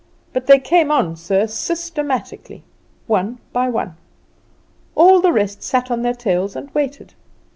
But they came on, sir, systematically, one by one. All the rest sat on their tails and waited.